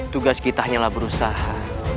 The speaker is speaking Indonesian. tugas kita hanyalah berusaha